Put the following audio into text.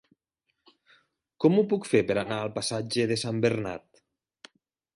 Com ho puc fer per anar al passatge de Sant Bernat?